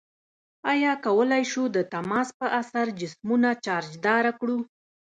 آیا کولی شو د تماس په اثر جسمونه چارج داره کړو؟